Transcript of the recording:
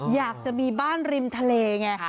อยากจะมีบ้านริมทะเลไง